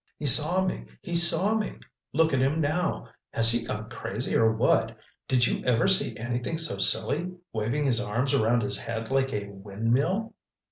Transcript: "He saw me—he saw me! Look at him now! Has he gone crazy, or what? Did you ever see anything so silly—waving his arms around his head like a windmill!"